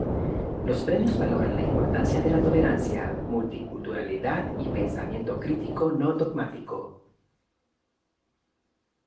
Los premios valoran la importancia de la tolerancia, multiculturalidad y pensamiento crítico no dogmático.